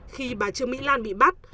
khi bà trương mỹ lan bị bắt